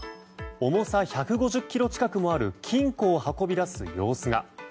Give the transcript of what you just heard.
重さ１５０ｋｇ近くもある金庫を運び出す様子が。